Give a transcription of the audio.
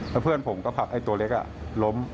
แล้วเพื่อนผมก็ผลักไอ้ตัวเล็กล้ม